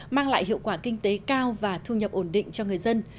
mang lại hiệu quả kinh tế cao và thu nhập ổn định cho người dân